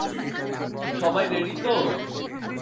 সবাই রেডি তো?